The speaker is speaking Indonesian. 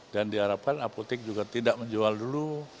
dan diharapkan apotek juga tidak menjual dulu